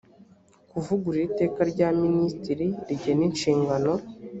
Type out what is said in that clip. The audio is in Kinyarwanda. kuvugurura iteka rya minisitiri rigena inshingano